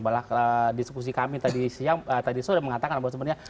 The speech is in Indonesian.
bahwa diskusi kami tadi siang tadi sudah mengatakan bahwa sebenarnya